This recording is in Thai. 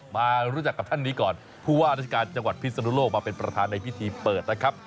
มารู้จักกับท่านนี้ก่อนผู้ว่าราชการจังหวัดพิศนุโลกมาเป็นประธานในพิธีเปิดนะครับ